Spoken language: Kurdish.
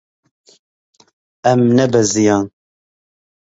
Em nebeziyan.